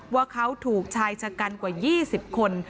ว่าเขาถูกชายชะกันกว่า๒๐คน